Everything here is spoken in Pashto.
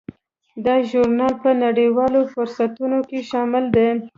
دا ژورنال په نړیوالو فهرستونو کې شامل دی.